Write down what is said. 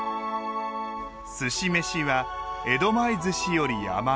すし飯は江戸前寿司より甘め。